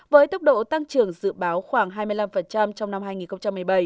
với tốc độ tăng trưởng dự báo khoảng hai mươi năm trong năm hai nghìn một mươi bảy